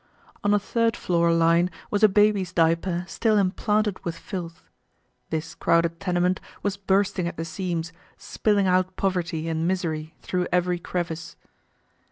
On a third floor line was a baby's diaper, still implanted with filth. This crowded tenement was bursting at the seams, spilling out poverty and misery through every crevice.